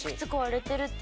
って